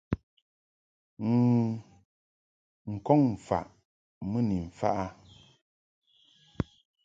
N̂ n-kɔŋ faʼ mɨ ni mfaʼ a.